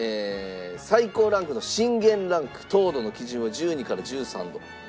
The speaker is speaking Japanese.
最高ランクの信玄ランク糖度の基準は１２から１３度。